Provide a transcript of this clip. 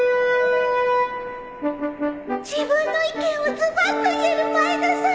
自分の意見をズバッと言える前田さん